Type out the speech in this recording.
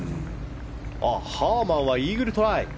ハーマンはイーグルトライ。